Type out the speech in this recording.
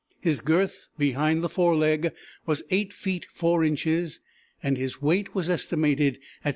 His girth behind the fore leg was 8 feet 4 inches, and his weight was estimated at 1,600 pounds.